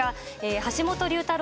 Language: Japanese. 橋本龍太郎